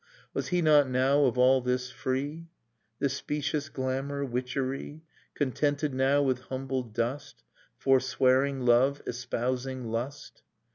Was he not now of all this free. This specious glamour, witchery. Contented now with humble dust: Forswearing love, espousing lust?